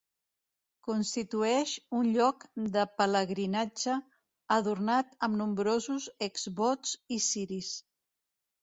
Constitueix un lloc de pelegrinatge, adornat amb nombrosos exvots i ciris.